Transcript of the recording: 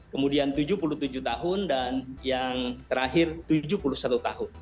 kemudian tujuh puluh tujuh tahun dan yang terakhir tujuh puluh satu tahun